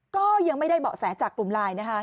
ก็ยังไม่ได้เบาะแสจากกลุ่มไลน์นะคะ